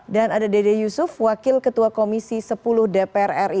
dan ada dede yusuf wakil ketua komisi sepuluh dpr ri